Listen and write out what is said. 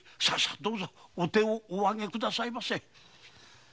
さどうぞお手をお上げください。